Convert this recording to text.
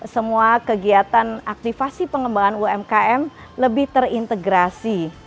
semua kegiatan aktifasi pengembangan umkm lebih terintegrasi